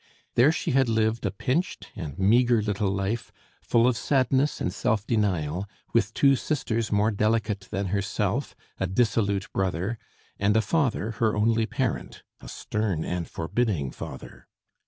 There she had lived a pinched and meagre little life, full of sadness and self denial, with two sisters more delicate than herself, a dissolute brother, and a father her only parent, a stern and forbidding father.